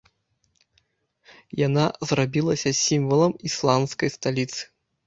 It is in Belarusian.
Яна зрабілася сімвалам ісландскай сталіцы.